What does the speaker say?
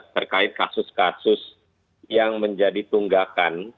terkait kasus kasus yang menjadi tunggakan